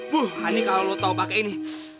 buh honey kalau lo tahu pakai ini